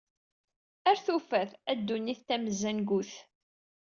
Ar tufat, a ddunit tamezzangut!